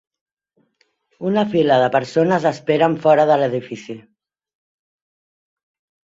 Una fila de persones esperen fora de l'edifici.